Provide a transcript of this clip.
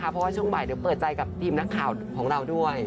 เพราะว่าช่วงบ่ายเดี๋ยวเปิดใจกับทีมนักข่าวของเราด้วย